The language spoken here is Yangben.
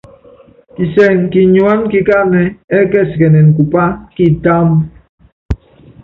Kisɛŋɛ kinyuáná kikánɛ ɛ́kɛsikɛnɛnɛ kupá kitáámbú.